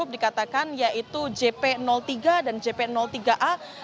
dikatakan yaitu jp tiga dan jp tiga a